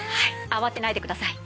慌てないでください。